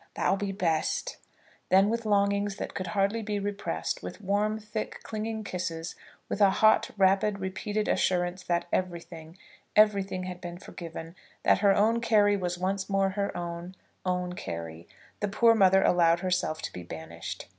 That'll be best." Then, with longings that could hardly be repressed, with warm, thick, clinging kisses, with a hot, rapid, repeated assurance that everything, everything had been forgiven, that her own Carry was once more her own, own Carry, the poor mother allowed herself to be banished.